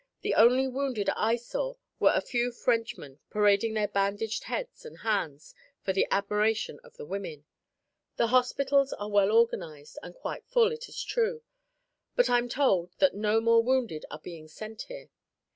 The only wounded I saw were a few Frenchmen parading their bandaged heads and hands for the admiration of the women. The hospitals are well organized and quite full, it is true, but I'm told that no more wounded are being sent here.